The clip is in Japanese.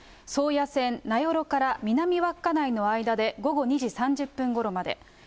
宗谷線、名寄から南稚内の間で午後２時３０分ごろまで。